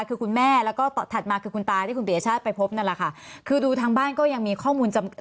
คือคุณแม่แล้วก็ถัดมาคือคุณตาที่คุณปียชาติไปพบนั่นแหละค่ะคือดูทางบ้านก็ยังมีข้อมูลจำ